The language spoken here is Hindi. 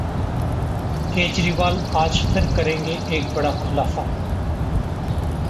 केजरीवाल आज फिर करेंगे एक बड़ा खुलासा